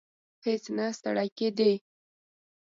هیڅ نه ستړی کېدی.